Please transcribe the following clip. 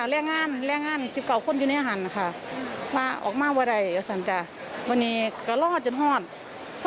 เป็นห่วงครับดูข่าวตลอดไหมไม่ค่อยดูครับ